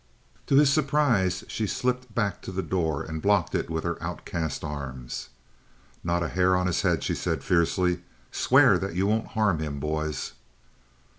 To his surprise, she slipped back to the door and blocked it with her outcast arms. "Not a hair of his head!" she said fiercely. "Swear that you won't harm him, boys!"